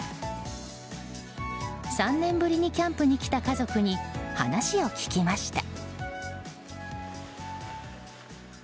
３年ぶりにキャンプに来た家族に話を聞きました。